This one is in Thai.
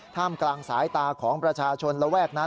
กลางสายตาของประชาชนระแวกนั้น